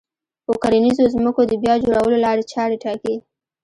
و کرنيزو ځمکو د بيا جوړولو لارې چارې ټاکي